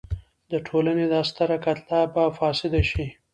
د ټولنې دا ستره کتله به فاسده شي.